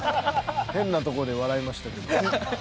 変なとこで笑いましたけど。